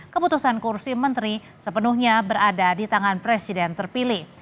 keputusan kursi menteri sepenuhnya berada di tangan presiden terpilih